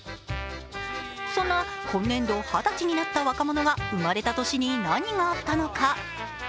そんな今年度二十歳になった若者が生まれた年に何があったのか。